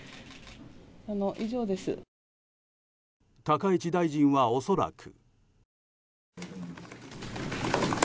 高市大臣は恐らく。